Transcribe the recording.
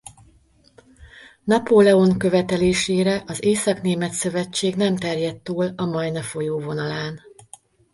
Napóleon követelésére az Északnémet Szövetség nem terjedt túl a Majna folyó vonalán.